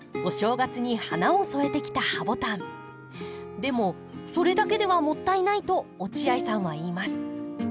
「でもそれだけではもったいない」と落合さんは言います。